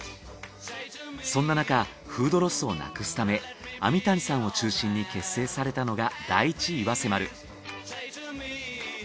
そんななかフードロスをなくすため網谷さんを中心に結成されたのが第一岩瀬丸。